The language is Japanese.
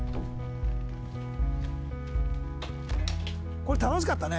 これ楽しかったね。